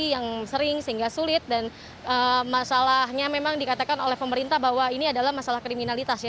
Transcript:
yang sering sehingga sulit dan masalahnya memang dikatakan oleh pemerintah bahwa ini adalah masalah kriminalitas ya